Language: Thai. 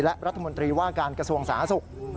และรัฐมนตรีว่าการกระทรวงสาธารณสุข